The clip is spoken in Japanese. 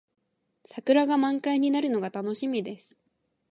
桜が満開になるのが楽しみです。